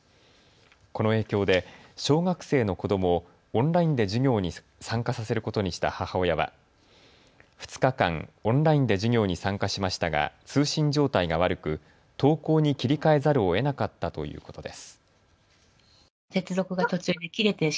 この影響で小学生の子どもをオンラインで授業に参加させることにした母親は２日間、オンラインで授業に参加しましたが通信状態が悪く登校に切り替えざるをえなかったということです。